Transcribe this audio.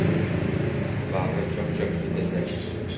Bag’ri chok-chok s.o’kildi.